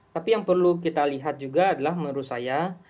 tapi yang perlu kita lihat juga adalah menurut saya